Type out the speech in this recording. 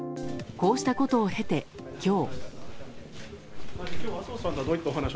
こうしたことを経て今日。